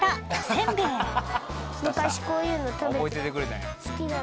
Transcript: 昔こういうの食べて。